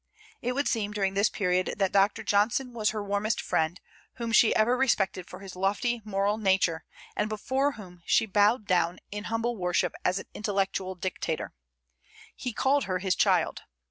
It would seem, during this period, that Dr. Johnson was her warmest friend, whom she ever respected for his lofty moral nature, and before whom she bowed down in humble worship as an intellectual dictator. He called her his child.